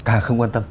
càng không quan tâm